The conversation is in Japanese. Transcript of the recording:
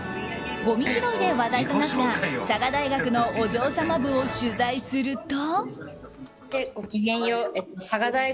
ごみ拾いで話題となった佐賀大学のお嬢様部を取材すると。